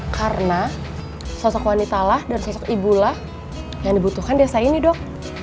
karena sosok wanitalah dan sosok ibulah yang dibutuhkan desa ini dok